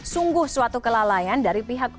sungguh suatu kelalaian dari pihak